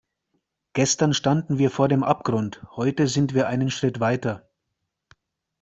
Gestern standen wir vor dem Abgrund, heute sind wir einen Schritt weiter.